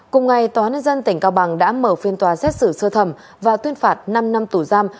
cùng ngày tòa nhân dân tỉnh cao bằng đã mở phiên tòa xét xử sơ thẩm và tuyên phạt năm năm tù giam